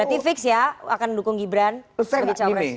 berarti fix ya akan mendukung ghibren